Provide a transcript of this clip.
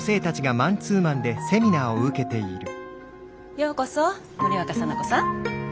ようこそ森若沙名子さん。